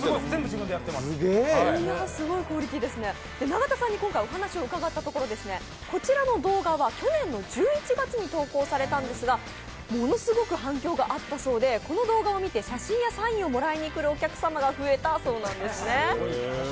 永田さんに今回お話を伺ったところこちらの動画は去年の１１月に投稿されたんですが、ものすごく反響があったそうでこの動画を見て写真やサインをもらいに来るお客様が増えたそうなんですね。